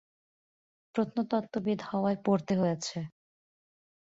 প্রত্নতত্ত্ববিদ হওয়ায় পড়তে হয়েছে।